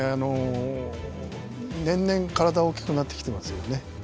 年々、体が大きくなってきてますよね。